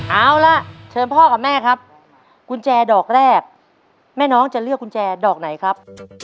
เอาล่ะเชิญพ่อกับแม่ครับกุญแจดอกแรกแม่น้องจะเลือกกุญแจดอกไหนครับ